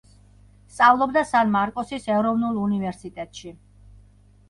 სწავლობდა სან-მარკოსის ეროვნულ უნივერსიტეტში.